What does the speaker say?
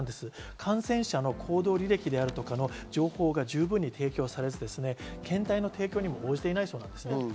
感染者の行動履歴であるとかの情報が十分に提供されず検体の提供にも応じていないそうです。